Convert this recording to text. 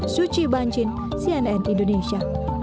suci bancin cnn indonesia